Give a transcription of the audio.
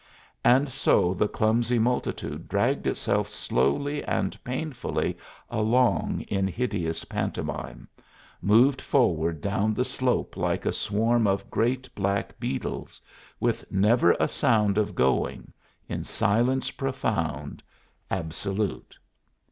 And so the clumsy multitude dragged itself slowly and painfully along in hideous pantomime moved forward down the slope like a swarm of great black beetles, with never a sound of going in silence profound, absolute.